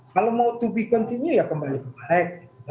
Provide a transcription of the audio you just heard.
kalau mau to be continue ya kembali ke baik